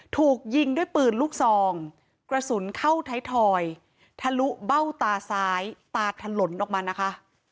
ถูกยิงด้วยปืนลูกซองกระสุนเข้าไทยทอยทะลุเบ้าตาซ้ายตาถล่นออกมานะคะ